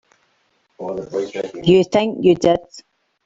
You think you did.